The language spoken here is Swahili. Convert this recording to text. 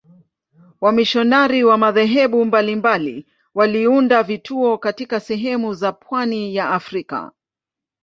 Wamisionari wa madhehebu mbalimbali waliunda vituo katika sehemu za pwani ya Afrika.